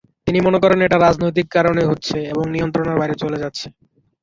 তিনি মনে করেন, এটা রাজনৈতিক কারণেই হচ্ছে এবং নিয়ন্ত্রণের বাইরে চলে যাচ্ছে।